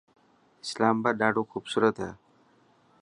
اسلاما آباد ڏاڌو خوبصورت هي.